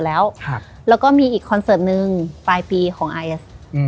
แล้วก็มีอีกคอนเสิร์ตหนึ่งปลายปีของไอซ์อืม